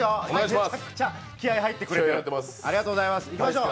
めちゃくちゃ気合い入ってくれて、ありがとうございます。